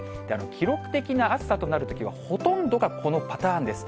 記録的な暑さとなるときは、ほとんどがこのパターンです。